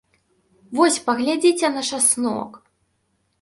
Вось паглядзіце на часнок!